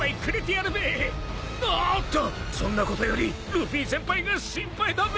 ［おっとそんなことよりルフィ先輩が心配だべ］